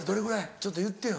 ちょっと言ってよ